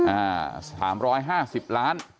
อ่า๓๕๐ล้าน